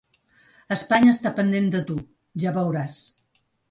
Espanya està pendent de tu, ja veuràs.